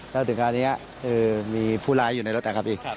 ถ้าถึงครั้งเนี่ยมีผู้ลายอยู่ในรถนะครับพี่